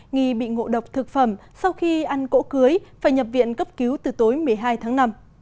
nghi bị ngộ độc thực phẩm sau khi ăn cỗ cưới phải nhập viện cấp cứu từ tối một mươi hai tháng năm